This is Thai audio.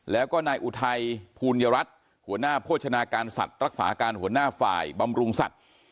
แล้วก็นายอุทัยภูลยรัฐหัวหน้าโภชนาการสัตว์รักษาการหัวหน้าฝ่ายบำรุงสัตว์